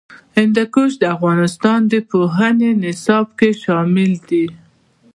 هندوکش د افغانستان د پوهنې نصاب کې شامل دي.